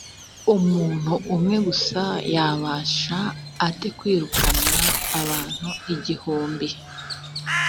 umuntu umwe gusa yabasha ate kwirukana abantu igihumbi?